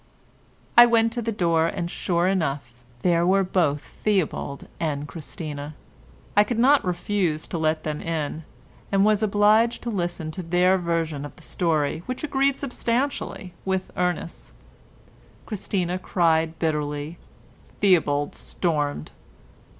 I went to the door, and, sure enough, there were both Theobald and Christina. I could not refuse to let them in and was obliged to listen to their version of the story, which agreed substantially with Ernest's. Christina cried bitterly—Theobald stormed.